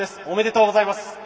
おめでとうございます。